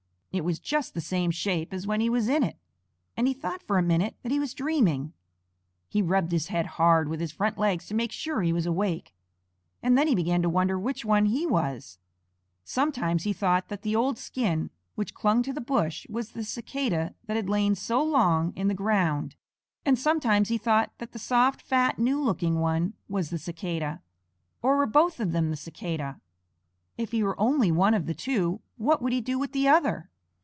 It was just the same shape as when he was in it, and he thought for a minute that he was dreaming. He rubbed his head hard with his front legs to make sure he was awake, and then he began to wonder which one he was. Sometimes he thought that the old skin which clung to the bush was the Cicada that had lain so long in the ground, and sometimes he thought that the soft, fat, new looking one was the Cicada. Or were both of them the Cicada? If he were only one of the two, what would he do with the other?